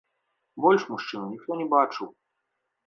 Больш мужчыну ніхто не бачыў.